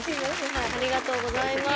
ありがとうございます。